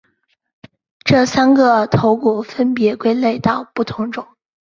这三个头骨分别归类到不同种。